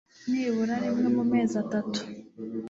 nibura rimwe mu mezi atatu